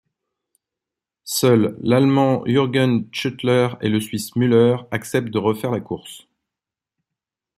Seuls l'Allemand Jurgen Schuttler et le Suisse Muller acceptent de refaire la course.